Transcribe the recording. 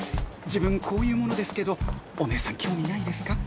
自分こういう者ですけどおねえさん興味ないですか？